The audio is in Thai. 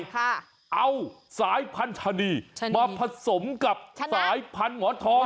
ค่ะเอาสายพันธุ์ชะนีชะนีมาผสมกับชะนะสายพันธุ์หัวทอง